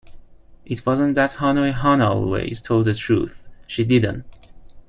It wasn't that Hanoi Hannah always told the truth - she didn't.